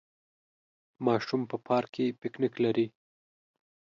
ماشوم په پارک کې پکنک لري.